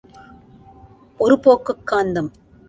ஒரு போக்குக் காந்தம்.